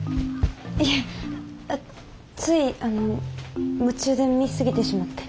いえついあの夢中で見過ぎてしまって。